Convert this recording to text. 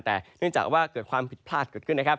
แต่เนื่องจากว่าเกิดความผิดพลาดเกิดขึ้นนะครับ